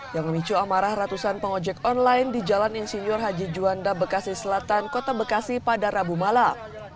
yang memicu amarah ratusan pengojek online di jalan insinyur haji juanda bekasi selatan kota bekasi pada rabu malam